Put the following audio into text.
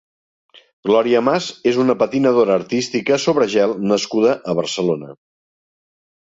Gloria Mas és una patinadora artística sobre gel nascuda a Barcelona.